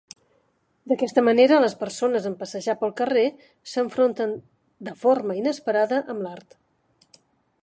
D'aquesta manera les persones, en passejar per carrer, s'enfronten de forma inesperada amb l'art.